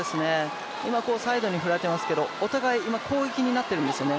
今、サイドに振られていますけれども、お互い、攻撃になってるんですよね